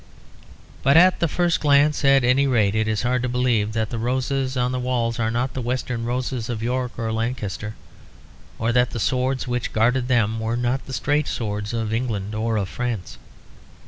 But at the first glance, at any rate, it is hard to believe that the roses on the walls are not the Western roses of York or Lancaster, or that the swords which guarded them were not the straight swords of England or of France.